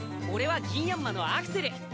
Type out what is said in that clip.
おれはギンヤンマのアクセル。